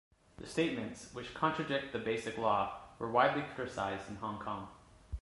The statements, which contradict the Basic Law, were widely criticised in Hong Kong.